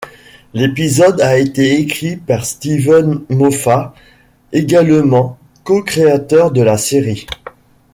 L'épisode a été écrit par Steven Moffat, également cocréateur de la série.